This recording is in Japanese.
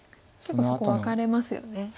結構そこ分かれますよね。